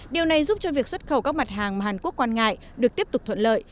điều này giúp cho việc xuất khẩu các mặt hàng mà hàn quốc quan ngại được tiếp tục thuận lợi